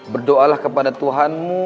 berdoalah kepada tuhanmu